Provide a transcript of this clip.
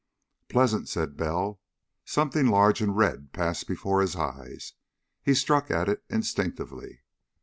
"Pleasant," said Bell. Something large and red passed before his eyes. He struck at it instinctively.